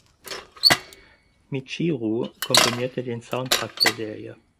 Michiru komponierte den Soundtrack der Serie.